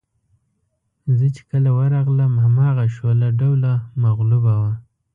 زه چې کله ورغلم هماغه شوله ډوله مغلوبه وه.